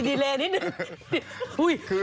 เห็นไหมล่ะนี่นิดหนึ่ง